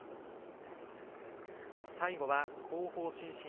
最後は後方伸身